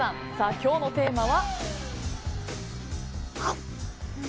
今日のテーマは。